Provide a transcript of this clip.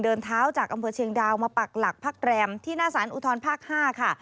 เดินเท้าจากอำเภอเชียงดาวมาปักหลักพักแรมที่หน้าสารอุทธรภาค๕ค่ะ